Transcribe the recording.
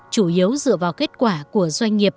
chủ yếu dựa vào kết quả của doanh nghiệp